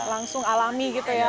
langsung alami gitu ya